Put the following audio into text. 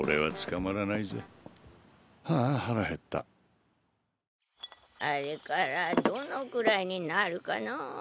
あれからどのくらいになるかのう。